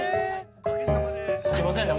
すいませんね。